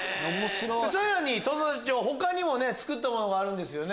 さらに土佐社長他にも作ったものがあるんですよね。